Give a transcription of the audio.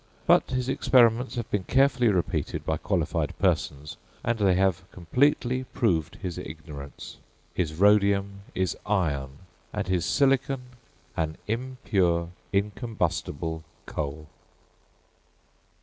But his experiments have been carefully repeated by qualified persons, and they have completely proved his ignorance: his rhodium is iron, and his silicon an impure incombustible coal.